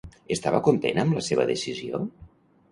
Estava content amb la seva decisió?